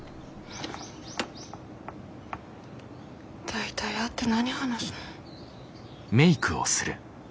大体会って何話すの。